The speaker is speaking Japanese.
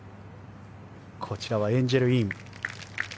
こちらはエンジェル・イン。